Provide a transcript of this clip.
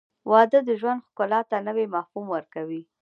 • واده د ژوند ښکلا ته نوی مفهوم ورکوي.